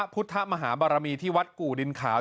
พุทธมหาบารมีที่วัดกู่ดินขาว